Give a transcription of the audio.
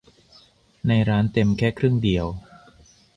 ในร้านเต็มแค่ครึ่งเดียว